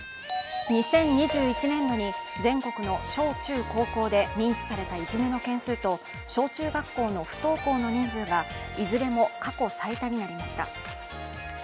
２０２１年度に全国の小・中・高校で認知されたいじめの件数と小中学校の不登校の人数がいずれも過去最多になりました。